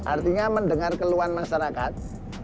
artinya mendengar keluhan masyarakat